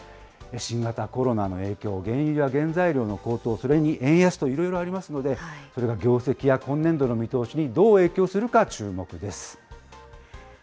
新型コロナの影響、原油や原材料の高騰、それに円安と、いろいろありますので、それが業績や今年度の見通しにどう影響するか、注次です。